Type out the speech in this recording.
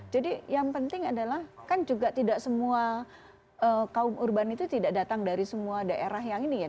jadi yang penting adalah kan juga tidak semua kaum urban itu tidak datang dari semua daerah yang ini ya